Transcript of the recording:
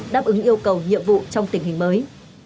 đáp ứng yêu cầu nhiệm vụ trong tình hình mới